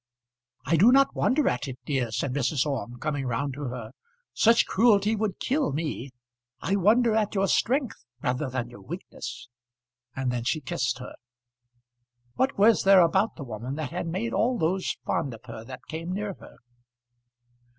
"I do not wonder at it, dear," said Mrs. Orme, coming round to her; "such cruelty would kill me. I wonder at your strength rather than your weakness." And then she kissed her. What was there about the woman that had made all those fond of her that came near her?